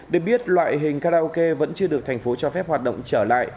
để biết loại hình karaoke vẫn chưa được thành phố cho phép hoạt động trở lại